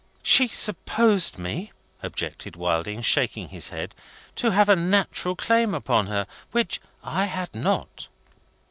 "She supposed me," objected Wilding, shaking his head, "to have a natural claim upon her, which I had not."